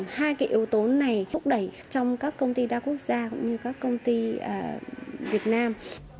hai cái yếu tố này thúc đẩy trong các công ty đa quốc gia cũng như các công ty việt nam